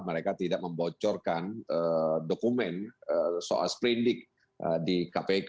mereka tidak membocorkan dokumen soal sprindik di kpk